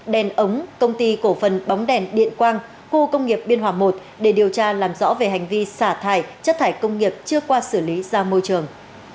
đèn ống công ty cổ phần bóng đèn điện quang khu công nghiệp biên hòa i để điều tra làm rõ về hành vi xả thải chất thải công nghiệp chưa qua xử lý ra môi trường